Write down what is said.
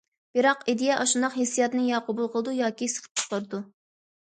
بىراق، ئىدىيە ئاشۇنداق ھېسسىياتنى يا قوبۇل قىلىدۇ ياكى سىقىپ چىقىرىدۇ.